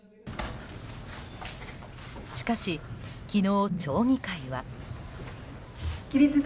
しかし昨日、町議会は。